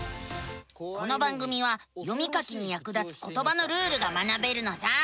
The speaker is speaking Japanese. この番組は読み書きにやく立つことばのルールが学べるのさ。